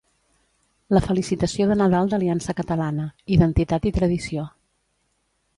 La felicitació de Nadal d'Aliança Catalana: identitat i tradició.